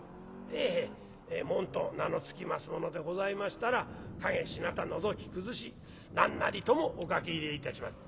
「へえへえ紋と名の付きますものでございましたら陰日向のぞき崩し何なりともお描き入れいたします」。